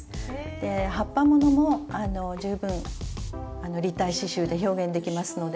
で葉っぱものも十分立体刺しゅうで表現できますので。